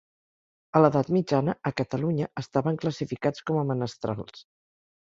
A l'edat mitjana, a Catalunya, estaven classificats com a menestrals.